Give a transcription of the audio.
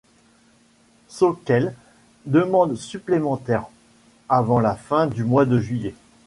Sauckel demande supplémentaires avant la fin du mois de juillet.